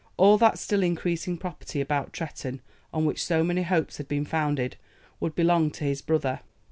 All that still increasing property about Tretton, on which so many hopes had been founded, would belong to his brother.